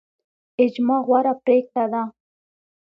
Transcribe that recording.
اجماع غوره پریکړه ده